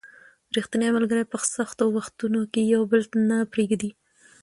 ریښتیني ملګري په سختو وختونو کې یو بل نه پرېږدي